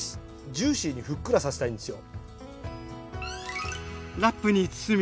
ジューシーにふっくらさせたいんですよ。